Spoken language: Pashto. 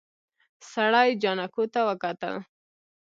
سړي جانکو ته وکتل.